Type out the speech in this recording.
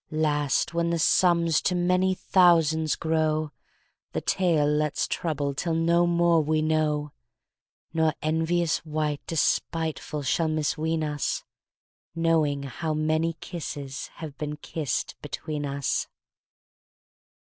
Last when the sums to many thousands grow, 10 The tale let's trouble till no more we know, Nor envious wight despiteful shall misween us Knowing how many kisses have been kissed between us.